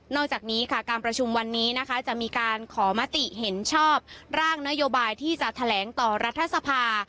อกจากนี้ค่ะการประชุมวันนี้นะคะจะมีการขอมติเห็นชอบร่างนโยบายที่จะแถลงต่อรัฐสภา